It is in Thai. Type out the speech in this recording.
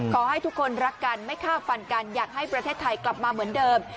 ขอให้ทุกคนรักกันไม่ฆ่าฟันกันอยากให้ประเทศไทยกลับมาเหมือนเดิม